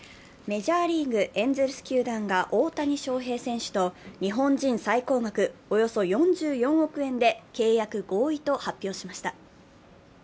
メジャーリーグ、エンゼルス球団が大谷翔平選手と日本人最高額、およそ４４億円で契約合意と発表しました。